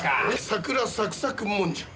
桜サクサクもんじゃ。